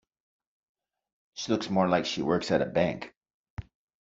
She looks more like she works at a bank.